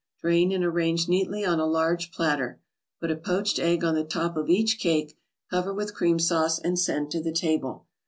Drain and arrange neatly on a large platter. Put a poached egg on the top of each cake, cover with cream sauce and send to the table.